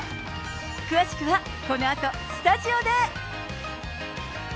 詳しくはこのあとスタジオで。